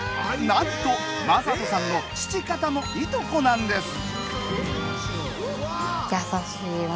なんと、将人さんの父方のいとこなんです。